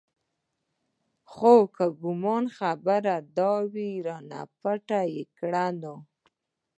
خو که کومه خبره دې رانه پټه کړه نو.